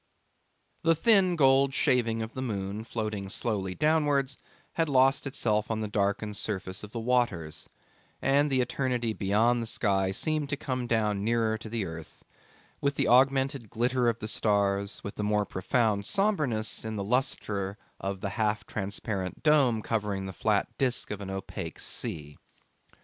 The thin gold shaving of the moon floating slowly downwards had lost itself on the darkened surface of the waters, and the eternity beyond the sky seemed to come down nearer to the earth, with the augmented glitter of the stars, with the more profound sombreness in the lustre of the half transparent dome covering the flat disc of an opaque sea.